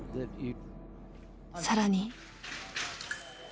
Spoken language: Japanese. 更に。